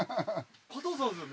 加藤さんっすよね？